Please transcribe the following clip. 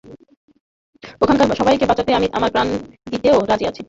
ওখানকার সবাইকে বাঁচাতে আমি আমার প্রাণ দিতেও রাজি আছি।